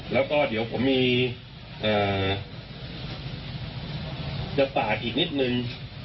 แล้วก็เดี๋ยวผมมีจะฝากอีกนิดนึง